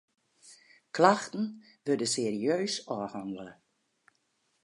Klachten wurde serieus ôfhannele.